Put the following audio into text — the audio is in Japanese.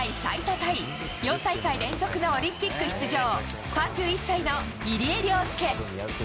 タイ４大会連続のオリンピック出場３１歳の入江陵介。